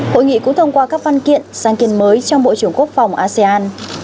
hội nghị cũng thông qua các văn kiện sáng kiến mới trong bộ trưởng quốc phòng asean